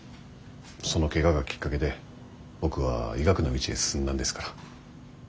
そのケガがきっかけで僕は医学の道へ進んだんですから。